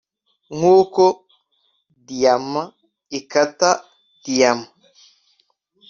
Nkuko diyama ikata diyama